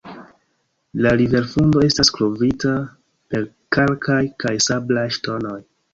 La riverfundo estas kovrita per kalkaj kaj sablaj ŝtonoj.